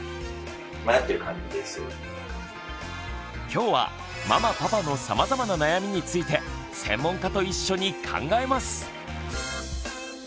きょうはママパパのさまざまな悩みについて専門家と一緒に考えます。